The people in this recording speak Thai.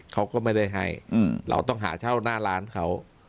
เขาก็ไม่ได้ให้เราต้องหาเช่าหน้าร้านเขา